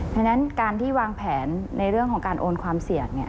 ดังนั้นการที่วางแผนในเรื่องของการโอนความเสี่ยง